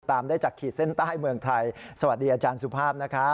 ได้จากขีดเส้นใต้เมืองไทยสวัสดีอาจารย์สุภาพนะครับ